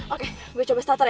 oke gue coba starter ya